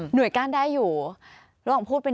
หน่วยก้านได้อยู่